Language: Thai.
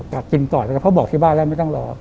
กลับกินก่อนนะครับเพราะบอกที่บ้านแล้วไม่ต้องรอ